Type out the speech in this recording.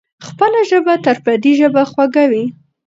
خپله ژبه تر پردۍ ژبې خوږه وي.